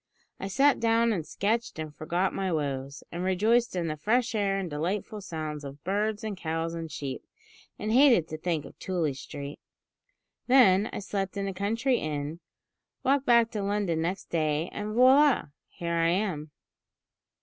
I sat down and sketched, and forgot my woes, and rejoiced in the fresh air and delightful sounds of birds, and cows, and sheep, and hated to think of Tooley Street. Then I slept in a country inn, walked back to London next day, and, voila! here I am!"